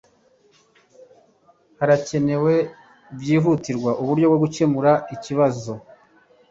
Harakenewe byihutirwa uburyo bushya bwo gukemura iki kibazo.